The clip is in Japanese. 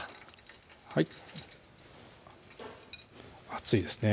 はい熱いですね